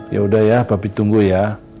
yaudah ya papi tunggu ya